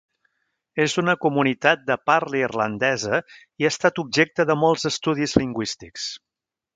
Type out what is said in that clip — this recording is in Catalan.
És una comunitat de parla irlandesa i ha estat objecte de molts estudis lingüístics.